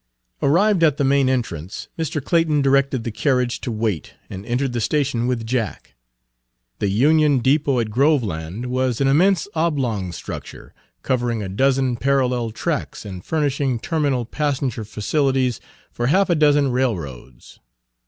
Arrived at the main entrance, Mr. Clayton directed the carriage to wait, and entered the station with Jack. The Union Depot at Groveland was an immense oblong structure, covering a dozen parallel tracks and furnishing terminal passenger facilities for half a dozen railroads.